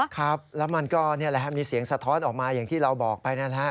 ครับแล้วมันก็นี่แหละมีเสียงสะท้อนออกมาอย่างที่เราบอกไปนะฮะ